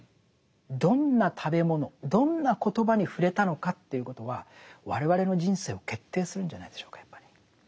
どんな食べ物どんなコトバに触れたのかということは我々の人生を決定するんじゃないでしょうかやっぱり。